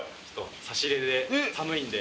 差し入れで寒いんで。